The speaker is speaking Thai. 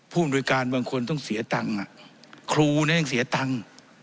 พูดโดยการบางคนต้องเสียตังค์ครูเนี่ยต้องเสียตังค์